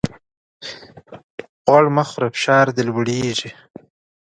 غوړ مه خوره ! فشار دي لوړېږي.